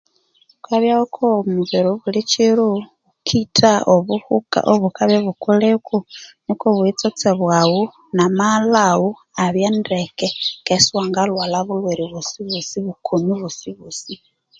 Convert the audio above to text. Ghukabya ghukogha omubiri obulikiro ghukitha obuhuka obukabya ibukuliko niko obuyitsotse bwaghu namaghalha aghu abye ndeke ke isiwangalhwalha bukoni bwosi bwosi